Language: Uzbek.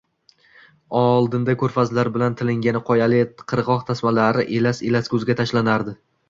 oldinda ko‘rfazlar bilan tilingan qoyali qirg‘oq tasmalari elas-elas ko‘zga tashlanardi.